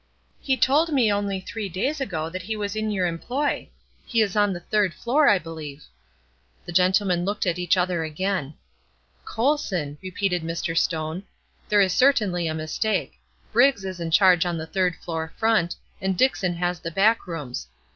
"He told me only three days ago that he was in your employ. He is on the third floor, I believe." The gentlemen looked at each other again. "Colson!" repeated Mr. Stone. "There is certainly a mistake. Briggs is in charge on the third floor front, and Dickson has the back rooms.